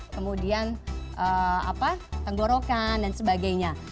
kemudian tenggorokan dan sebagainya